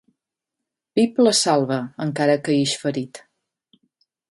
Pip la salva, encara que ix ferit.